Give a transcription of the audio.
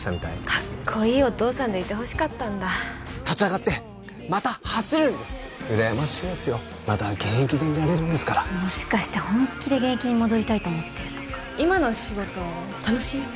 カッコイイお父さんでいてほしかったんだ立ち上がってまた走るんですうらやましいですよまだ現役でいられるんですからもしかして本気で現役に戻りたいと思ってるとか今の仕事楽しい？